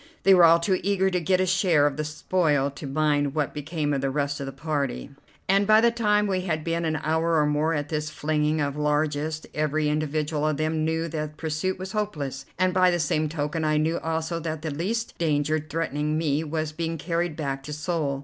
They were all too eager to get a share of the spoil to mind what became of the rest of the party, and by the time we had been an hour or more at this flinging of largesse every individual of them knew that pursuit was hopeless, and by the same token I knew also that the least danger threatening me was being carried back to Seoul.